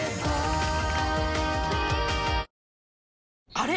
あれ？